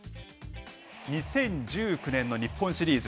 ２０１９年の日本シリーズ。